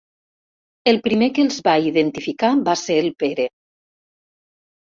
El primer que els va identificar va ser el Pere.